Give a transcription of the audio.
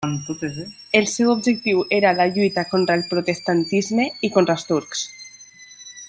El seu objectiu era la lluita contra el protestantisme i contra els turcs.